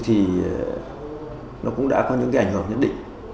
thì nó cũng đã có những cái ảnh hưởng nhất định